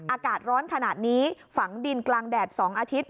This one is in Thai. อากาศร้อนขนาดนี้ฝังดินกลางแดด๒อาทิตย์